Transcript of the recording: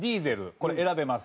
これ選べます。